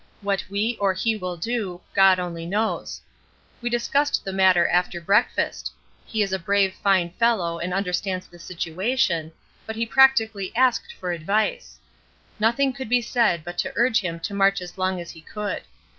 What we or he will do, God only knows. We discussed the matter after breakfast; he is a brave fine fellow and understands the situation, but he practically asked for advice. Nothing could be said but to urge him to march as long as he could.